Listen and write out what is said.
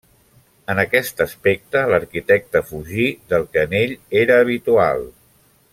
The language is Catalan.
En aquest aspecte l'arquitecte fugí del que en ell era habitual.